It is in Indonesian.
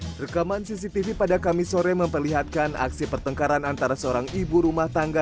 hai rekaman cctv pada kamis sore memperlihatkan aksi pertengkaran antara seorang ibu rumah tangga